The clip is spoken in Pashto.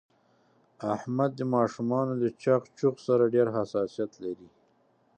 احمد د ماشومانو له چغ چوغ سره ډېر حساسیت لري.